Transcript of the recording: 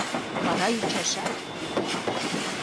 Вара ӱчашат.